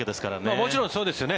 もちろんそうですよね。